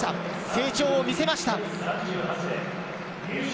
成長を見せました。